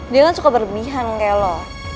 dia kan suka berbihan kayak lo